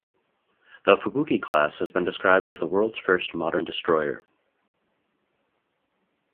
The "Fubuki" class has been described as the world's first modern destroyer.